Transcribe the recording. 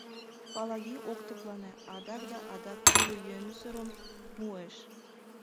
Палаги ок тыплане, адак да адак тӱрлӧ йӧнысырым муэш.